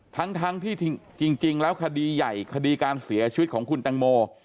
ทั้งที่จริงแล้วคดีใหญ่คดีการเสียชีวิตของคุณแตงโม